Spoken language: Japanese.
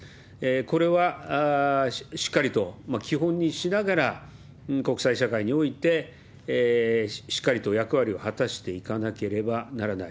これはしっかりと基本にしながら国際社会においてしっかりと役割を果たしていかなければならない。